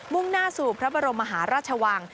มุ่งหน้าสู่พระบบรมฮรัชวัง